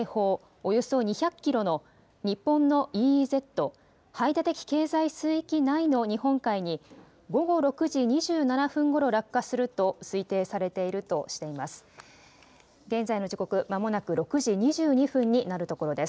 およそ２００キロの日本のＥＥＺ・排他的経済水域内の日本海に午後６時２７分ごろ落下すると推定されているとしています。